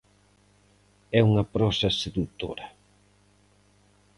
É unha prosa sedutora.